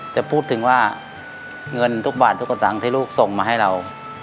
จะพูดถึงว่าเงินทุกบาททุกกระตังค์ที่ลูกส่งมาให้เรา